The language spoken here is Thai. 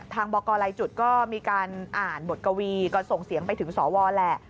ทางบลไลฟ์จุดก็มีการอ่านบทกวีก่อนส่งเสียงไปถึงสรวอร์แหละ